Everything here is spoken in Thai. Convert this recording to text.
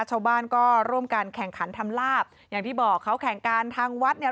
ชาวบ้านก็ร่วมกันแข่งขันทำลาบอย่างที่บอกเขาแข่งกันทางวัดเนี่ย